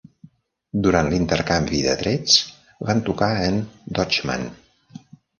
Durant l'intercanvi de trets, van tocar en Deutschmann.